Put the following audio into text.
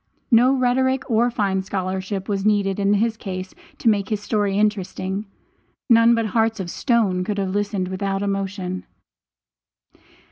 No rhetoric or fine scholarship was needed in his case to make his story interesting. None but hearts of stone could have listened without emotion.